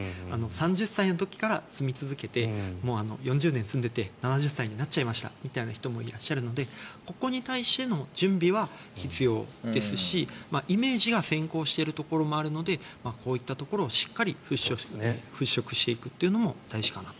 ３０歳の時から住み続けてもう４０年住んでいて７０歳になっちゃいましたみたいな人もいらっしゃるのでここに対しての準備は必要ですしイメージが先行しているところもあるのでこういったところをしっかり払しょくしていくのも大事かなと。